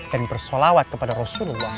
dan bersolawat kepada rasulullah